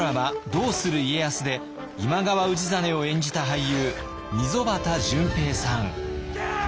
「どうする家康」で今川氏真を演じた俳優溝端淳平さん。